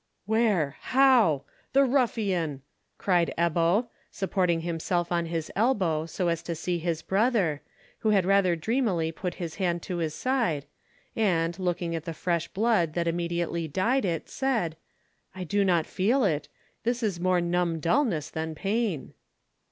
"Where? How? The ruffian!" cried Ebbo, supporting himself on his elbow, so as to see his brother, who rather dreamily put his hand to his side, and, looking at the fresh blood that immediately dyed it, said, "I do not feel it. This is more numb dulness than pain."